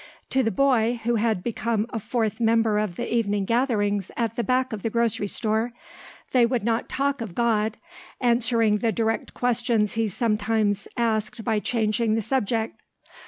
To the boy, who had become a fourth member of the evening gatherings at the back of the grocery store, they would not talk of God, answering the direct questions he sometimes asked by changing the subject.